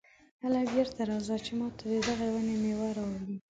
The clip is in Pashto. هله بېرته راځه چې ماته د دغې ونې مېوه راوړې.